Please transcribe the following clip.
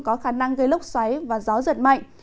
có khả năng gây lốc xoáy và gió giật mạnh